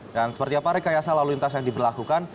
dan seperti apa rekayasa lalu lintas yang diberlakukan